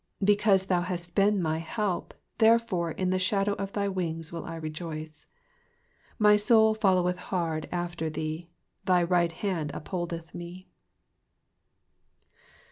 7 Because thou hast been my help, therefore in the shadow of thy wings will I rejoice. 8 My soul foUoweth hard after thee : thy right hand up holdeth me.